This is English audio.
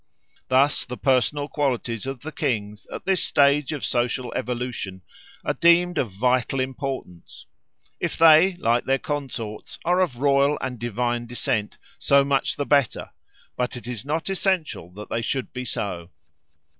Thus the personal qualities of the kings at this stage of social evolution are deemed of vital importance. If they, like their consorts, are of royal and divine descent, so much the better; but it is not essential that they should be so.